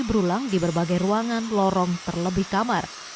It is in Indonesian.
berulang di berbagai ruangan lorong terlebih kamar